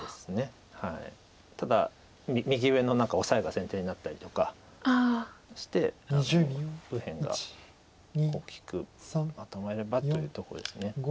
ただ右上のオサエが先手になったりとかして右辺が大きくまとまればというとこです。